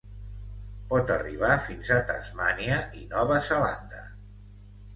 Pot arribar fins a Tasmània i Nova Zelanda.